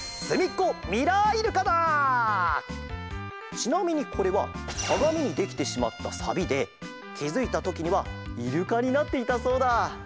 ちなみにこれはかがみにできてしまったさびできづいたときにはイルカになっていたそうだ。